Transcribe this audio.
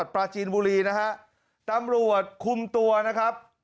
ปลาจีนบุรีนะฮะตำรวจคุมตัวนะครับ